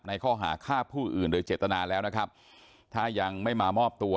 ข้อหาฆ่าผู้อื่นโดยเจตนาแล้วนะครับถ้ายังไม่มามอบตัว